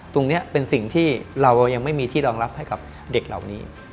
ตรงนี้เป็นสิ่งที่เรายังไม่มีที่รองรับให้กับเด็กเหล่านี้